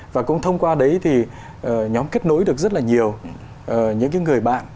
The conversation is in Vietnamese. và cũng thông qua đấy thì nhóm kết nối được rất là nhiều những người bạn